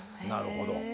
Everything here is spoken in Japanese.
なるほど。